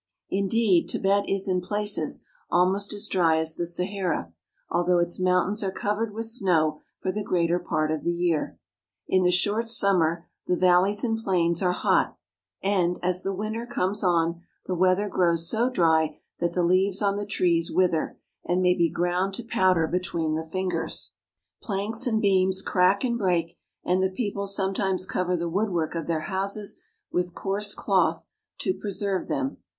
Indeed, Tibet is, in places, almost as dry as the Sahara, although its mountains are covered with snow for the greater part of the year. In the short summer, the val A Tibetan Chief. TIBET AND THE TIBETANS 307 leys and plains are hot ; and, as the winter comes on, the weather grows so dry that the leaves on the trees wither, and may be ground to powder between the fingers. Planks and beams crack and break, and the people sometimes cover the woodwork of their houses with coarse cloth to preserve them.